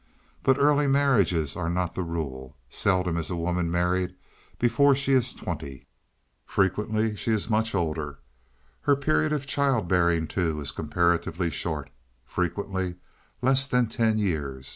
But early marriages are not the rule; seldom is a woman married before she is twenty frequently she is much older. Her period of child bearing, too, is comparatively short frequently less than ten years.